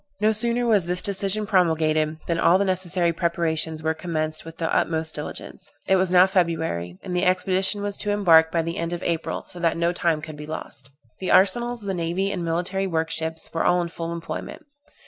No sooner was this decision promulgated, than all the necessary preparations were commenced with the utmost diligence. It was now February, and the expedition was to embark by the end of April, so that no time could be lost. The arsenals, the naval and military workships, were all in full employment.